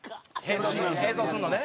並走するのね。